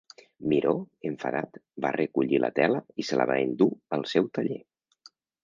Miró, enfadat, va recollir la tela i se la va endur al seu taller.